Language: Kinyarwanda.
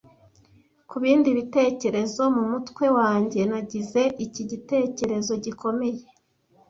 kubindi bitekerezo mumutwe wanjye, nagize iki gitekerezo gikomeye--